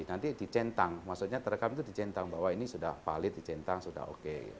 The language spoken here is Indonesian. nanti dicentang maksudnya terekam itu dicentang bahwa ini sudah valid dicentang sudah oke